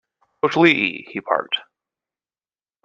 "Coach Leahy," he barked.